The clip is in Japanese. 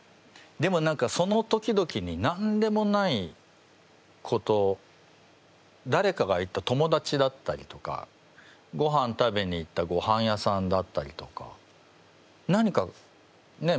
でも何かその時々に何でもないことだれかが言った友達だったりとかごはん食べに行ったごはん屋さんだったりとか何かね